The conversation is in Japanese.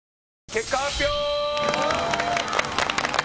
結果発表！